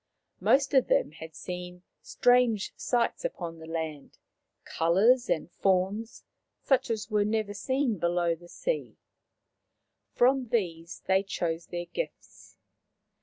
Most of them had seen strange sights upon the land, colours and forms such as were never seen below the sea. From these they chose their gifts.